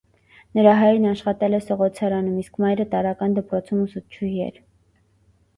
Նրա հայրն աշխատել է սղոցարանում, իսկ մայրը՝ տարրական դպրոցում ուսուցչուհի էր։